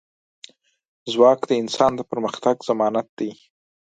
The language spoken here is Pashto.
ځواک د انسان د پرمختګ ضمانت دی.